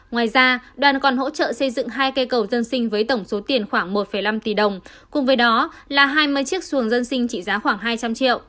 ngoài ra đoàn còn hỗ trợ xây dựng hai cây cầu dân sinh với tổng số tiền khoảng một năm tỷ đồng cùng với đó là hai mươi chiếc xuồng dân sinh trị giá khoảng hai trăm linh triệu